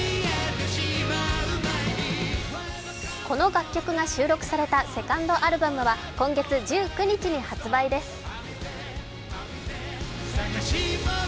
この楽曲が収録されたセカンドアルバムは今月１９日に発売です。